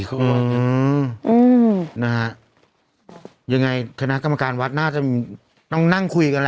อืมนะฮะยังไงคณะกรรมการวัดน่าจะต้องนั่งคุยกันนะ